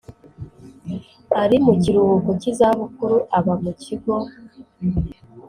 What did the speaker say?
Ari mu kiruhuko cy’izabukuru aba mu kigo